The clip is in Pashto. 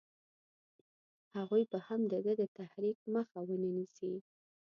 هغوی به هم د ده د تحریک مخه ونه نیسي.